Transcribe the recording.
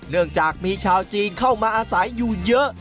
เนื่องจากมีชาวจีนเข้ามาอาศัยอยู่เยอะ